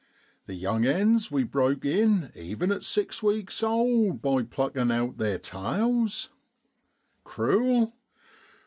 The young 'ens we broke in even at six weeks old by pluckin' out theer tails. Cruel